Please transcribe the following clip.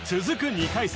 ２回戦